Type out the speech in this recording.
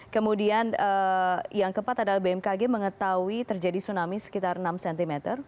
kemudian yang keempat adalah bmkg mengetahui terjadi tsunami sekitar enam cm